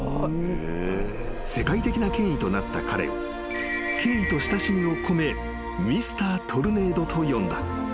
［世界的な権威となった彼を敬意と親しみを込めＭｒ．トルネードと呼んだ］